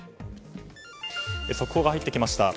速報が入ってきました。